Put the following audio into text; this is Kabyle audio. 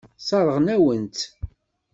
Sseṛɣen-awen-tt.